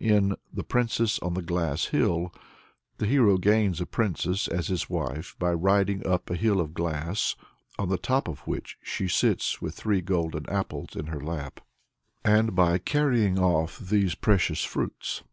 In "The Princess on the Glass Hill" the hero gains a Princess as his wife by riding up a hill of glass, on the top of which she sits with three golden apples in her lap, and by carrying off these precious fruits.